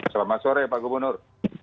selamat sore pak gubernur